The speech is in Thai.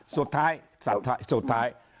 สุดท้ายสุดท้าย